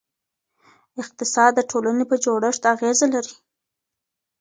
اقتصاد د ټولنې په جوړښت اغېزه لري.